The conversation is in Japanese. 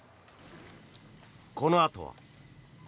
このあとは。